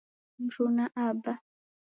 Mruna aba